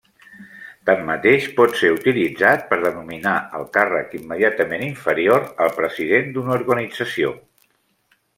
Tanmateix, pot ser utilitzat per denominar al càrrec immediatament inferior al president d'una organització.